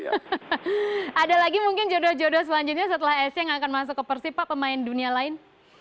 ada lagi mungkin jodoh jodoh selanjutnya setelah essing akan masuk ke persib pak pemain dunia lain